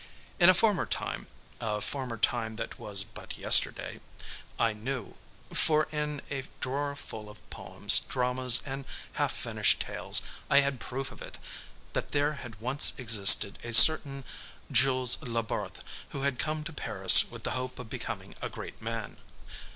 In a former time, a former time that was but yesterday, I knew for in a drawer full of poems, dramas and half finished tales I had proof of it that there had once existed a certain Jules Labarthe who had come to Paris with the hope of becoming a great man.